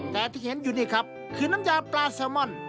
แต่ที่เห็นอยู่นี่ครับคือน้ำยาปลาแซลมอน